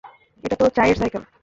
এটা তো চাইয়ের সাইকেল!